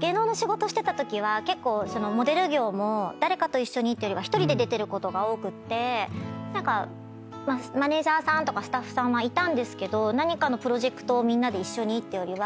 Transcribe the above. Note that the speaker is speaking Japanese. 芸能の仕事してたときは結構モデル業も誰かと一緒にっていうよりは１人で出てることが多くってマネジャーさんとかスタッフさんはいたんですけど何かのプロジェクトをみんなで一緒にってよりは。